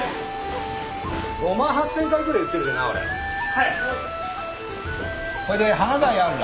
はい。